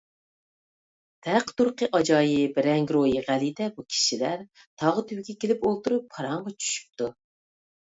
تەق - تۇرقى ئاجايىپ، رەڭگىرويى غەلىتە بۇ كىشىلەر تاغ تۈۋىگە كېلىپ ئولتۇرۇپ پاراڭغا چۈشۈپتۇ.